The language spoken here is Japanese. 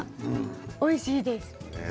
おいしいです。